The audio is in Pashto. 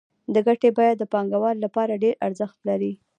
د ګټې بیه د پانګوال لپاره ډېر ارزښت لري